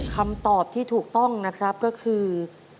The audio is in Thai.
คำตอบที่ถูกต้องนะครับก็คือ